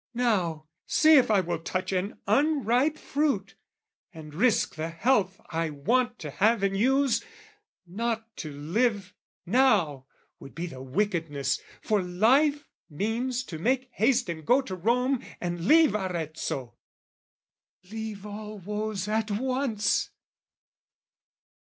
"Now see if I will touch an unripe fruit, "And risk the health I want to have and use! "Not to live, now, would be the wickedness, "For life means to make haste and go to Rome "And leave Arezzo, leave all woes at once!"